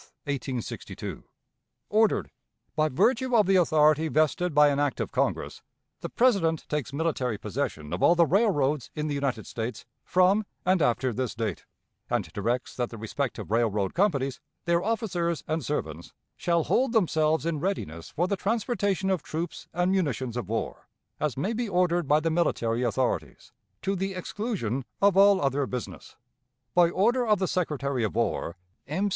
_ "Ordered: By virtue of the authority vested by an act of Congress, the President takes military possession of all the railroads in the United States from and after this date, and directs that the respective railroad companies, their officers and servants, shall hold themselves in readiness for the transportation of troops and munitions of war, as may be ordered by the military authorities, to the exclusion of all other business. "By order of the Secretary of War: "M.